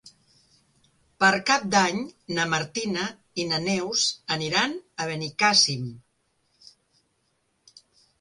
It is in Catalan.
Per Cap d'Any na Martina i na Neus aniran a Benicàssim.